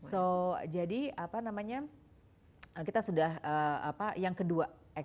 so jadi apa namanya kita sudah apa yang kedua actually digital banking